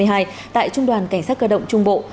tại trung đoàn cảnh sát cơ động trung bộ